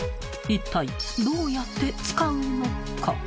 ［いったいどうやって使うのか］